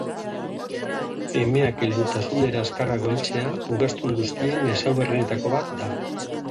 Emeak heldutasunera azkarrago heltzea ugaztun guztien ezaugarrienetako bat da.